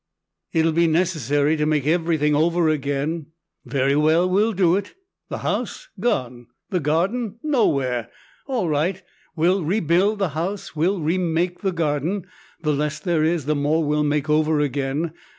"It'll be necessary to make everything over again. Very well, we'll do it. The house? Gone. The garden? Nowhere. All right, we'll rebuild the house, we'll remake the garden. The less there is the more we'll make over again.